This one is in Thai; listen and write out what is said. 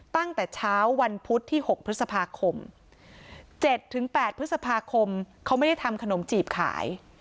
ตั้งแต่เช้าวันพุธที่๖พฤษภาคม๗๘พฤษภาคมเขาไม่ได้ทำขนมจีบขาย